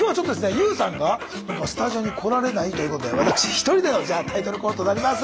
ＹＯＵさんがスタジオに来られないということで私一人でのじゃあタイトルコールとなります。